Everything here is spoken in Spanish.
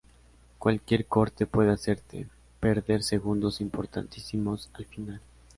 Cualquier corte puede hacerte perder segundos importantísimos al final".